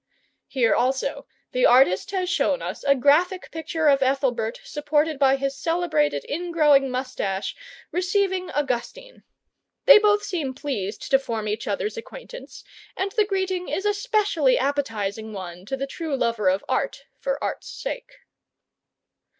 Here also the artist has shown us a graphic picture of Ethelbert supported by his celebrated ingrowing moustache receiving Augustine. They both seem pleased to form each other's acquaintance, and the greeting is a specially appetizing one to the true lover of Art for Art's sake.